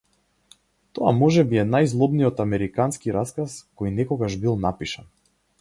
Тоа можеби е најзлобниот американски расказ кој некогаш бил напишан.